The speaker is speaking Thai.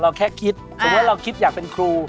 เราแค่คิดถือว่าเราคิดอยากเป็นครู